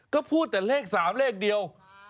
ก็พูดแต่เลข๓เลขเดียว